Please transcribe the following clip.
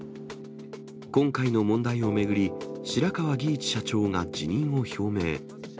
今回の問題を巡り、白川儀一社長が辞任を表明。